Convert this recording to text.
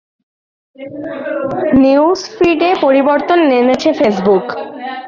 নিউজফিডে পরিবর্তন এনেছে ফেসবুক।